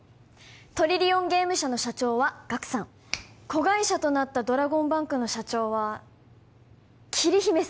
トリリオンゲーム社の社長はガクさん子会社となったドラゴンバンクの社長は桐姫さんにお任せすることに